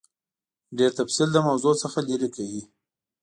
ډېر تفصیل له موضوع څخه لیرې کوي.